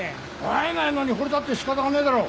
会えないのにほれたってしかたがねえだろ。